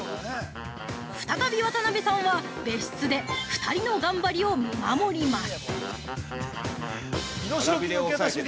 再び渡辺さんは別室で２人の頑張りを見守ります！